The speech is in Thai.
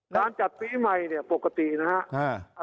งานจัดปีใหม่เนี่ยปกตินะครับ